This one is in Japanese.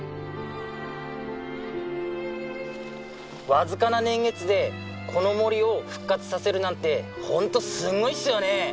僅かな年月でこの森を復活させるなんて本当すごいっすよね！